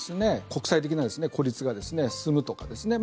国際的な孤立が進むとかですね。